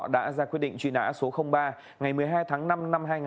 đã ra quyết định chuyên án số ba ngày một mươi hai tháng năm năm hai nghìn một mươi năm